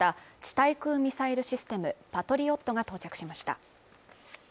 対空ミサイルシステムパトリオットが到着しました。